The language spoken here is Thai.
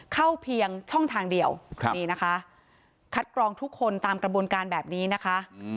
เพียงช่องทางเดียวนี่นะคะคัดกรองทุกคนตามกระบวนการแบบนี้นะคะ